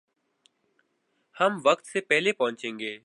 ہم وقت سے پہلے پہنچیں گے